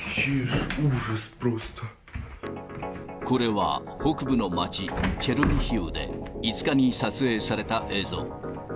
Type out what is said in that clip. これは、北部の街、チェルニヒウで５日に撮影された映像。